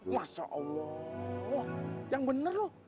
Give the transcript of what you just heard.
masya allah wah yang bener lo